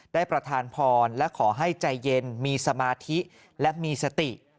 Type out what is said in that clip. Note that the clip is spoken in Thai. ประธานพรและขอให้ใจเย็นมีสมาธิและมีสติ